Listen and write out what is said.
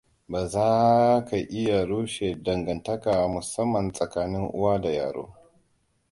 Baza ka iya rushe dangantaka musamma tsakanin uwa da yaro.